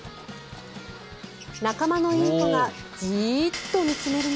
仲間のインコがじっと見つめる